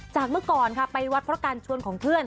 เมื่อก่อนค่ะไปวัดเพราะการชวนของเพื่อน